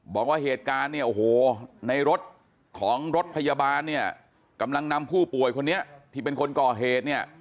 บอกว่าเหตุการณ์เนี่ยโอ้โหในรถของรถพยาบาลเนี่ยกำลังนำผู้ป่วยคนนี้ที่เป็นคนก่อเหตุเนี่ย